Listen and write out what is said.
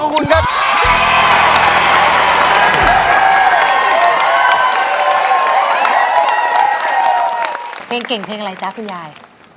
เห้ย